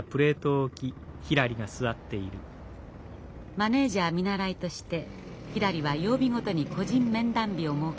マネージャー見習いとしてひらりは曜日ごとに個人面談日を設けました。